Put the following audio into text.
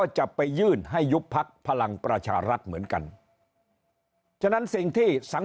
จะไปยื่นให้ยุบพักภลังประชารักษ์เหมือนกัน